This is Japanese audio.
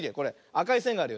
あかいせんがあるよね。